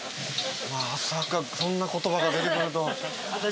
まさかそんな言葉が出てくるとは。